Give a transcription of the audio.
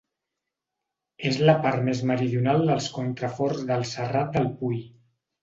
És la part més meridional dels contraforts del Serrat del Pui.